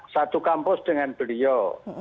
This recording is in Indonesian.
satu kampus dengan beliau